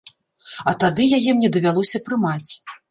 А тады яе мне давялося прымаць.